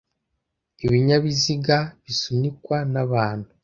ibinyabiziga bisunikwa n abantu